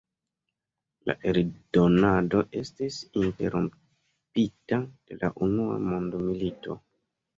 La eldonado estis interrompita de la Unua Mondmilito.